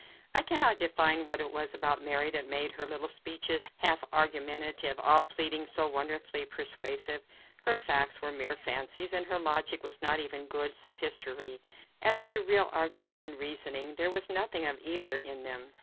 I cannot define what it was about Mary that made her little speeches, half argumentative, all pleading, so wonderfully persuasive. Her facts were mere fancies, and her logic was not even good sophistry. As to real argument and reasoning, there was nothing of either in them.